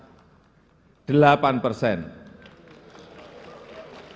dan kenaikan uang untuk asn pusat dan daerah tni polri sebesar delapan persen